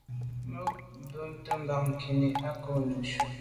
Me bumte bag ngankine à nke ngon neshu.